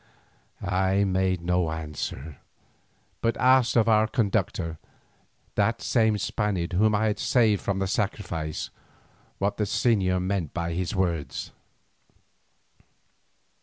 I made no answer, but asked of our conductor, that same Spaniard whom I had saved from the sacrifice, what the señor meant by his words.